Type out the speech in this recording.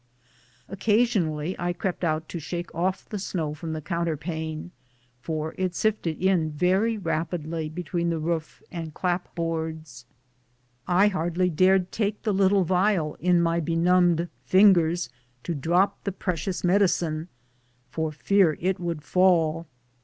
Occasionally I crept out to shake off the snow from the counterpane, for it sifted in between the roof and clap boards very rapidly. I hardly dared take the little pliial in my benumbed fingers to drop the precious med icine for fear it would fall.